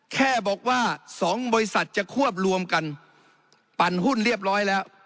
แค่บอกว่า๒บริษัทจะควบรวมกันปั่นหุ้นเรียบร้อยแล้ว